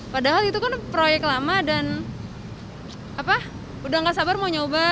padahal itu kan proyek lama dan udah gak sabar mau nyoba